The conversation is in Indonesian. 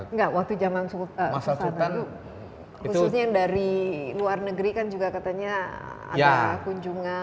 enggak waktu zaman sultan itu khususnya yang dari luar negeri kan juga katanya ada kunjungan